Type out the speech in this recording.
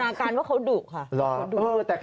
อาการว่าเขาดุค่ะ